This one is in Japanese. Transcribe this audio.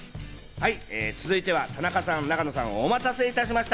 続いては田中さん、永野さん、お待たせいたしました。